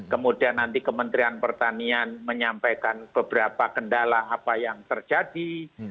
kemudian nanti kementerian pertanian menyampaikan beberapa kendala apa yang terjadi